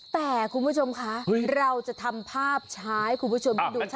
แต่คุณผู้ชมคะเราจะทำภาพช้าให้คุณผู้ชมได้ดูชัด